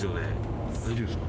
大丈夫っすか？